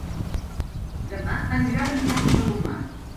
Demà en Grau anirà al Palomar.